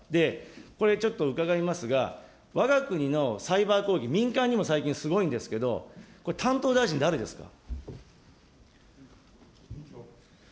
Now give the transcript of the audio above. これちょっと伺いますが、わが国のサイバー攻撃、民間にも最近すごいんですけど、これ担当大臣、誰ですか。